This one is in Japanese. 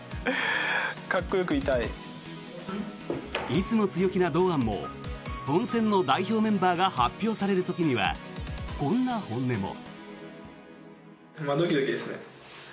いつも強気な堂安も本戦の代表メンバーが発表される時にはこんな本音も。